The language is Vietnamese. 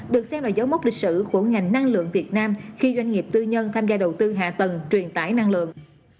được xem là dấu mốc lịch sử của ngành năng lượng việt nam khi doanh nghiệp tư nhân tham gia đầu tư hạ tầng truyền tải năng lượng